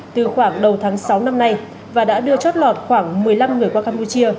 từ khoảng đầu tháng sáu năm nay và đã đưa chót lọt khoảng một mươi năm người qua campuchia